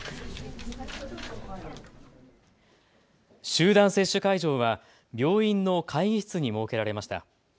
集団接種会場は病院の会議室に設けられました。